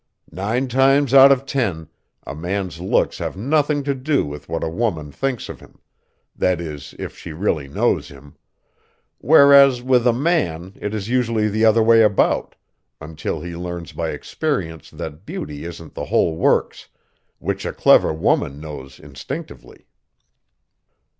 Nine times out of ten a man's looks have nothing to do with what a woman thinks of him, that is if she really knows him; whereas with a man it is usually the other way about, until he learns by experience that beauty isn't the whole works which a clever woman knows instinctively."